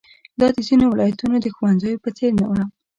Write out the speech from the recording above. دا د ځینو ولایتونو د ښوونځیو په څېر نه وه.